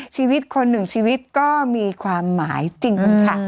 ชีวิตคนหนึ่งชีวิตก็มีความหมายจริงค่ะ